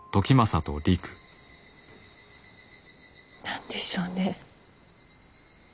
何でしょうね。